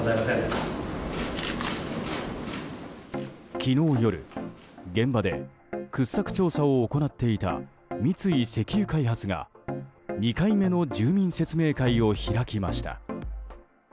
昨日夜、現場で掘削調査を行っていた三井石油開発が２回目の住民説明会を開きました。